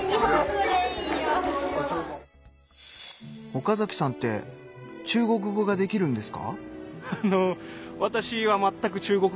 岡さんって中国語ができるんですか？